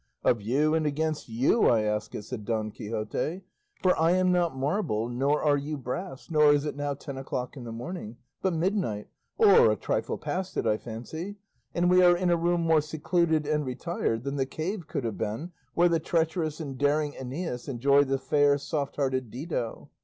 "Of you and against you I ask it," said Don Quixote; "for I am not marble, nor are you brass, nor is it now ten o'clock in the morning, but midnight, or a trifle past it I fancy, and we are in a room more secluded and retired than the cave could have been where the treacherous and daring Æneas enjoyed the fair soft hearted Dido.